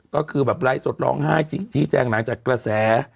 ก็คือแบบไลฟ์สดร้องไห้ชี้แจงหลังจากกระแส